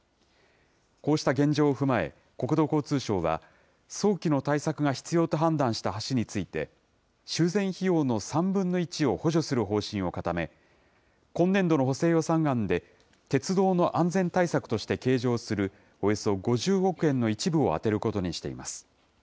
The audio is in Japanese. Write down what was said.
こうした現状を踏まえ、国土交通省は、早期の対策が必要と判断した橋について、修繕費用の３分の１を補助する方針を固め、今年度の補正予算案で鉄道の安全対策として計上するおよそ５０億円の一部を充てることにしています。